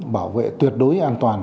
bảo vệ tuyệt đối an toàn